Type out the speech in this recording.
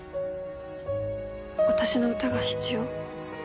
私の歌が必要？